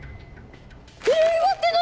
令和って何！？